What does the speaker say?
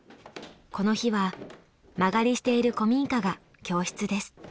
この日は間借りしている古民家が教室です。